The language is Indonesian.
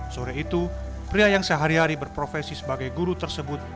sore itu pria yang sehari hari berprofesi sebagai guru tersebut